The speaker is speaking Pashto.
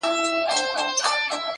يوڅه انا زړه وه ، يو څه توره تېره وه.